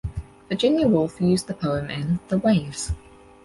Virginia Woolf used the poem in "The Waves".